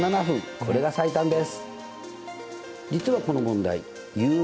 これが最短です。